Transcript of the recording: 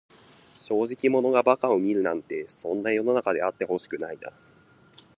正直者が馬鹿を見るなんて、そんな世の中であってほしくないな。